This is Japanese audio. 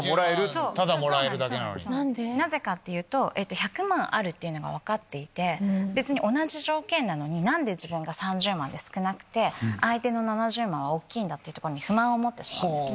なぜかっていうと１００万あるっていうのが分かっていて別に同じ条件なのに何で自分が３０万で少なくて相手の７０万は大きいんだっていうとこに不満を持ってしまうんですね。